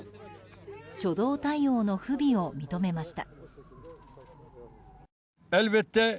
初動対応の不備を認めました。